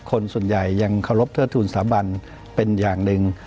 คนส่วนใหญ่ยังเคารพเทิดทูลสาบันเป็นอย่างหนึ่ง